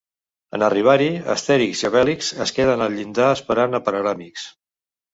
En arribar-hi, Astèrix i Obèlix es queden al llindar esperant a Panoràmix.